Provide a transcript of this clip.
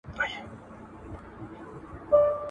زه اجازه لرم چي زده کړه وکړم!